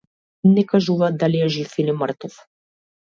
Не кажуваат дали е жив или мртов.